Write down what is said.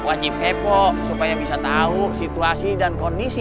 wajib hepo supaya bisa tahu situasi dan kondisi